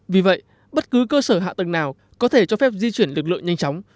vì vậy bất cứ cơ sở hạ tầng nào có thể cho phép di chuyển lực lượng nhanh chóng